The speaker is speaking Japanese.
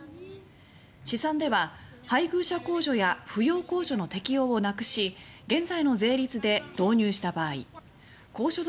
試算では、配偶者控除や扶養控除の適用をなくし現在の税率で導入した場合高所得